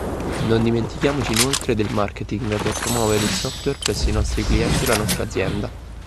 Non dimentichiamoci inoltre del marketing per promuovere il software presso i nostri clienti o la nostra azienda.